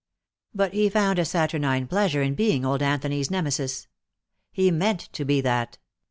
But he found a saturnine pleasure in being old Anthony's Nemesis. He meant to be that.